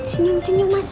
senyum senyum mas